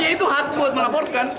ya itu hak buat melaporkan